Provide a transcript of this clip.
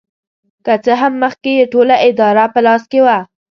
که څه هم مخکې یې ټوله اداره په لاس کې وه.